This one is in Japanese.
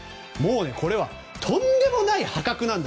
これはとんでもない破格なんだ